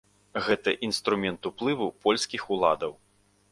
Гэта інструмент уплыву польскіх уладаў.